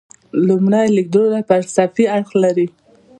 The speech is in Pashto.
لومړی لیدلوری فلسفي اړخ لري.